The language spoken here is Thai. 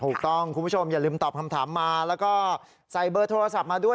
คุณผู้ชมอย่าลืมตอบคำถามมาแล้วก็ใส่เบอร์โทรศัพท์มาด้วย